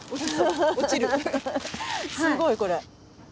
すごいこれ。